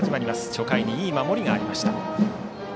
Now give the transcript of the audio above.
初回にいい守りがありました。